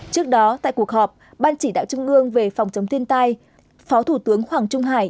trước đó tại cuộc họp ban chỉ đạo trung ương về phòng chống thiên tai phó thủ tướng hoàng trung hải